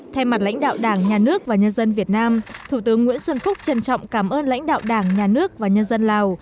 thay mặt lãnh đạo đảng nhà nước và nhân dân việt nam thủ tướng nguyễn xuân phúc trân trọng cảm ơn lãnh đạo đảng nhà nước và nhân dân lào